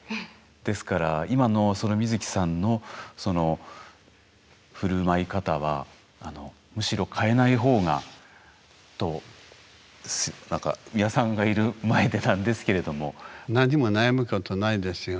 ですから今のそのミヅキさんのその振る舞い方はむしろ変えない方がと。なんか美輪さんがいる前でなんですけれども。何も悩むことないですよ。